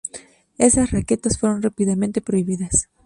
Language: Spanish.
Esas raquetas fueron rápidamente prohibidas.